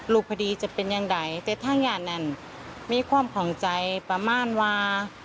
พอดีจะเป็นอย่างใดแต่ทางญาตินั้นมีความของใจประมาณว่า